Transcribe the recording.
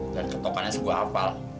dan ketokannya sebuah hafal